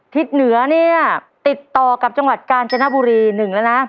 ทิศเหนือเนี่ยติดต่อกับจังหวัดกาญจนบุรี๑แล้วนะ